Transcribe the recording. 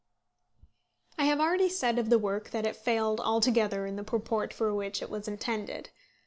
I have already said of the work that it failed altogether in the purport for which it was intended.